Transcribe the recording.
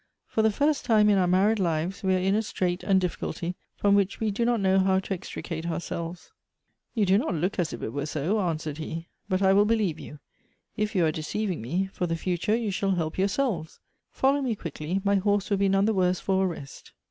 For the first time in our married lives, we are in a strait and diffi culty, from which we do not know how to extricate our selves." " You do not look as if it were so," answered he. " But I will believe you. If you are deceiving me, for the future you shall help yourselves. Follow me quickly, my horse will be none the worse for a rest."